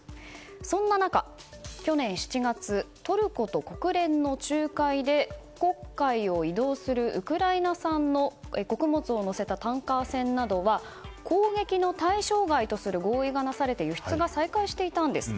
そんな中、去年７月トルコと国連の仲介で黒海を移動するウクライナ産の穀物を載せたタンカー船などは攻撃の対象外となる合意がなされて輸出が再開していたんです。